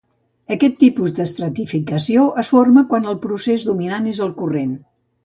Aquest tipus d'estratificació es forma quan el procés dominant és el corrent.